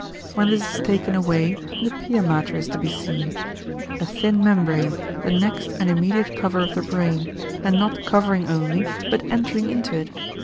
When this is taken away, the pia mater is to be seen, a thin membrane, the next and immediate cover of the brain, and not covering only, but entering into it.